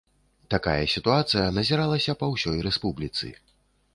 Такая сітуацыя назіралася па ўсёй рэспубліцы.